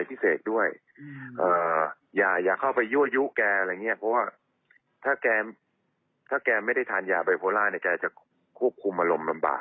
ถ้าแกไม่ได้ทานยาไบโฟล่าเนี่ยแกจะควบคุมอารมณ์ลำบาก